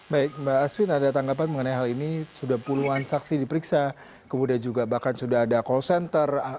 baik mbak aswin ada tanggapan mengenai hal ini sudah puluhan saksi diperiksa kemudian juga bahkan sudah ada call center